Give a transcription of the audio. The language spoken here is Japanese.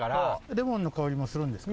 レモンの香りもするんですか？